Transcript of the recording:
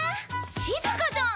しずかちゃん。